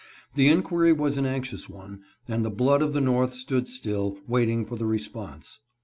The inquiry was an anxious one, and the blood of the North stood still, waiting for the response.